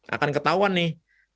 akan ketahuan nih